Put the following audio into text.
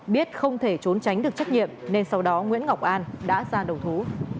biết không thể trốn tránh được trách nhiệm nên sau đó nguyễn ngọc an đã ra đầu thú